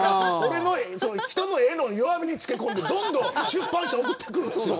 人がいいのを弱みに漬け込んでどんどん出版社が送ってくるんですよ。